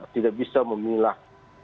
tidak bisa memilah